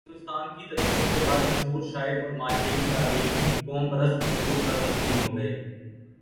میں ہندوستان کی تقسیم کے بعد، مشہور شاعر اور ماہرین تعلیم قوم پرست خطوط پر تقسیم ہو گئے۔